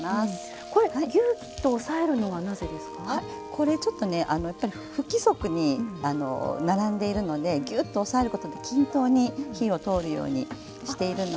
これちょっとねやっぱり不規則に並んでいるのでギューッと押さえることで均等に火を通るようにしているのと。